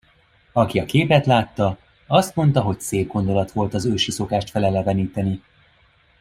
Aki a képet látta, azt mondta, hogy szép gondolat volt az ősi szokást feleleveníteni.